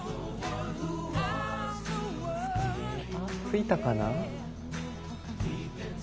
ついたかな？